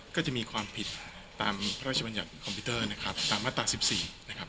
ก็จะมีความผิดตามพระราชบัญญัติคอมพิวเตอร์นะครับตามมาตรา๑๔นะครับ